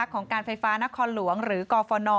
ของการไฟฟ้านครหลวงหรือกฟน